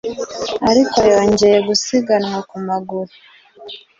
ariko yongeye gusiganwa ku maguru